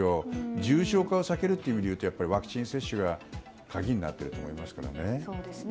重症化を避ける意味ではワクチン接種が鍵になってると思いますけどね。